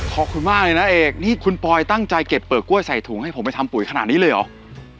ขอบคุณมากเลยนะเอกนี่คุณปอยตั้งใจเก็บเปลือกกล้วยใส่ถุงให้ผมไปทำปุ๋ยขนาดนี้เลยเหรอ